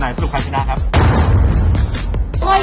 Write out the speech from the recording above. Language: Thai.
แต่ถ้าไรสดุใครถึงน่ะ